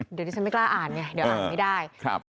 เดี๋ยวดิฉันไม่กล้าอ่านไงเดี๋ยวอ่านไม่ได้